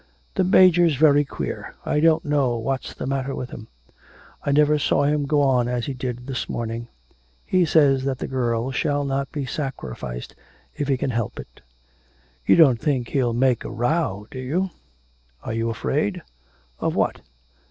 'The Major's very queer. I don't know what's the matter with him; I never saw him go on as he did this morning. He says that the girl shall not be sacrificed if he can help it.' 'You don't think he'll make a row, do you?' 'Are you afraid?' 'Of what?